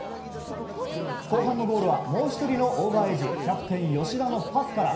後半のゴールはもう１人のオーバーエージキャプテン吉田のパスから。